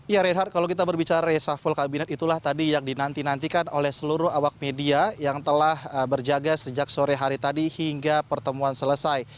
ya reinhardt kalau kita berbicara reshuffle kabinet itulah tadi yang dinantikan oleh seluruh awak media yang telah berjaga sejak sore hari tadi hingga pertemuan selesai